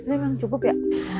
emang cukup ya